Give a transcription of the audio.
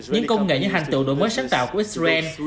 những công nghệ như hành tựu đổi mới sáng tạo của israel